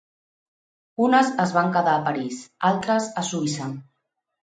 Unes es van quedar a París, altres a Suïssa.